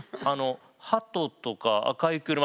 「ハトとか赤い車」